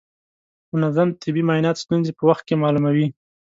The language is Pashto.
منظم طبي معاینات ستونزې په وخت کې معلوموي.